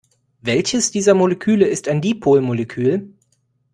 Welches dieser Moleküle ist ein Dipolmolekül?